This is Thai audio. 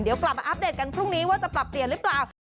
เดี๋ยวกลับมาอัปเดตกันพรุ่งนี้ว่าจะปรับเปลี่ยนหรือเปล่า